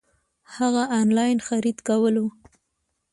هغه انلاين خريد کولو